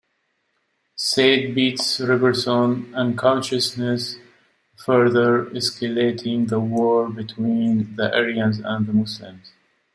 Said beats Robson unconscious, further escalating the war between the Aryans and the Muslims.